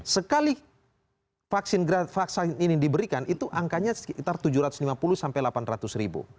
sekali vaksin vaksin ini diberikan itu angkanya sekitar tujuh ratus lima puluh sampai delapan ratus ribu